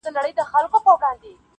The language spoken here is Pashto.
ده پر خلکو باندي ږغ کړل چي ملګرو -